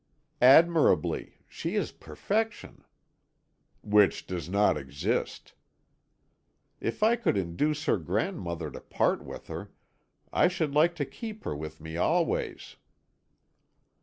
"Admirably. She is perfection." "Which does not exist." "If I could induce her grandmother to part with her, I should like to keep her with me always."